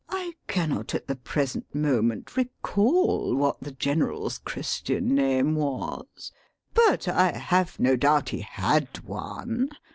] I cannot at the present moment recall what the General's Christian name was. But I have no doubt he had one.